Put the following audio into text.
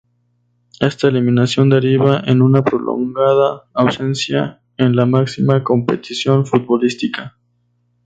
Esta eliminación derivaría en una prolongada ausencia en la máxima competición futbolística.